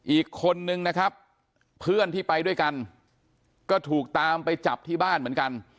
อีกคนนึงนะครับเพื่อนที่ไปด้วยกันก็ถูกตามไปจับที่บ้านเหมือนกัน